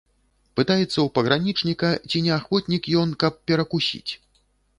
Пытаецца ў пагранічніка, ці не ахвотнік ён, каб перакусіць.